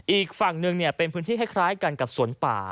อีกฝั่งหนึ่งเป็นพื้นที่คล้ายกันกับสวนป่า